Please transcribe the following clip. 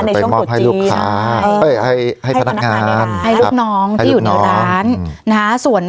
มอบให้ภรรยากาศยั่งป่นตาขาน้องที่อยู่ที่ร้าน